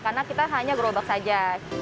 karena kita hanya grow back saja